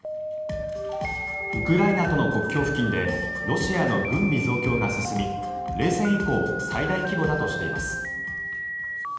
ウクライナとの国境付近でロシアの軍備増強が進み冷戦以降最大規模だとしています。